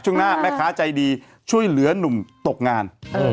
ช่วงหน้าแม่ค้าใจดีช่วยเหลือหนุ่มตกงาน